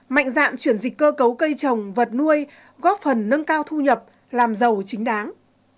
mạnh dạn chuyển dịch cơ cấu cây trồng vật nuôi góp phần nâng cao thu nhập làm giàu chính đáng